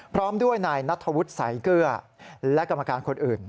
พร้อมด้วยนายนัทธวุฒิสายเกลือและกรรมการคนอื่น